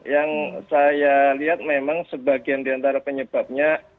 yang saya lihat memang sebagian diantara penyebabnya